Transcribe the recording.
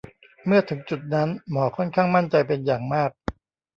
เมื่อถึงจุดนั้น หมอค่อนข้างมั่นใจเป็นอย่างมาก